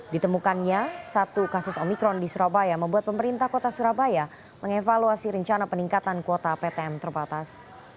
ditemukannya satu kasus omikron di surabaya membuat pemerintah kota surabaya mengevaluasi rencana peningkatan kuota ptm terbatas